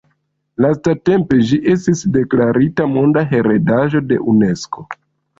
Lastatempe ĝi estis deklarita Monda heredaĵo de Unesko.